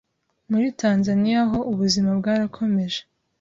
muri Tanzania ho ubuzima bwarakomeje